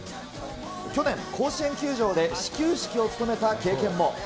去年、甲子園球場で始球式を務めた経験も。